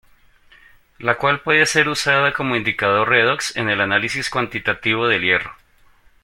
La cual puede ser usada como indicador redox en el análisis cuantitativo del hierro.